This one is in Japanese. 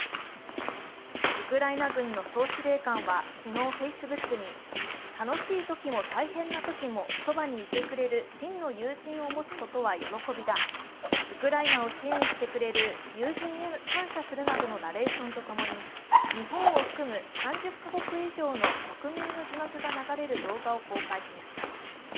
ウクライナ軍の総司令官は昨日、Ｆａｃｅｂｏｏｋに楽しいときも大変なときもそばにいてくれる真の友人を持つことは喜びだウクライナを支援してくれる友人へ感謝するなどのナレーションと共に日本を含む３０カ国以上の国名の字幕が流れる動画を公開しました。